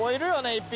１匹。